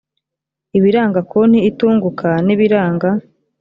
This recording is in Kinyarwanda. ibiranga konti itunguka n ibiranga